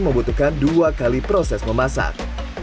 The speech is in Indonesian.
membutuhkan dua kali proses memasak